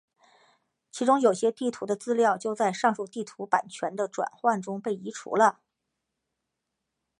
其中有些地图的资料就在上述地图版权的转换中被移除了。